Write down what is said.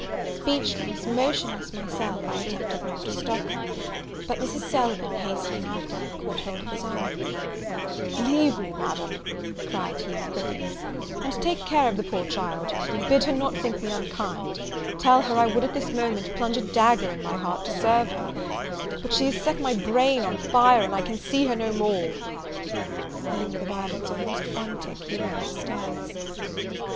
Speechless, motionless myself, I attempted not to stop him; but Mrs. Selwyn, hastening after him, caught hold of his arm: "Leave me, Madam," cried he, with quickness, "and take care of the poor child: bid her not think me unkind; tell her, I would at this moment plunge a dagger in my heart to serve her: but she has set my brain on fire; and I can see her no more!" Then, with a violence almost frantic, he ran up stairs.